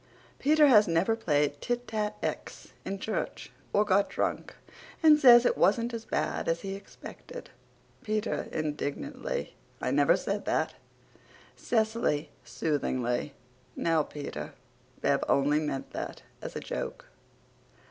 Peter has never played tit tat x in church or got drunk and says it wasn't as bad as he expected. (PETER, INDIGNANTLY: "I never said it." CECILY, SOOTHINGLY: "Now, Peter, Bev only meant that as a joke.")